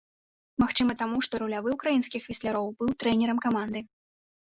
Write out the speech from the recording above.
Магчыма таму, што рулявы ўкраінскіх весляроў быў трэнерам каманды.